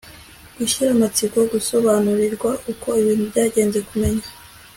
gushira amatsiko gusobanukirwa uko ibintu byagenze, kumenya